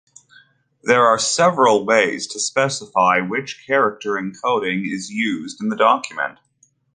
There are several ways to specify which character encoding is used in the document.